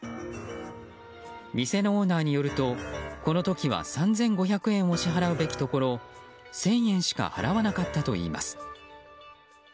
店のオーナーによるとこの時は３５００円を支払うべきところ１０００円しか払わなかったといいます。